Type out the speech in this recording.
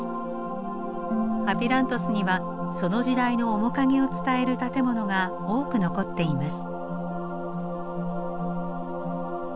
アピラントスにはその時代の面影を伝える建物が多く残っています。